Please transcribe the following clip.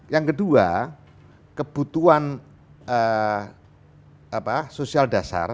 yang kedua kebutuhan sosial dasar